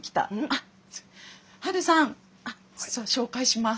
あっハルさん紹介します。